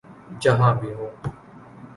جہاں بھی ہوں۔